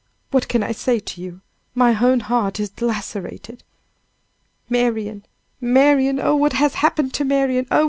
what can I say to you? my own heart is lacerated!" "Marian! Marian! oh! what has happened to Marian! Oh!